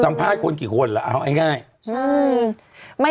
สัมภาษณ์คนกี่คนละเอาง่ายใช่